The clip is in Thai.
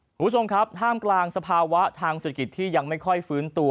คุณผู้ชมครับท่ามกลางสภาวะทางเศรษฐกิจที่ยังไม่ค่อยฟื้นตัว